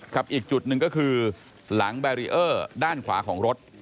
อีกจุดหนึ่งก็คือหลังแบรีเออร์ด้านขวาของรถ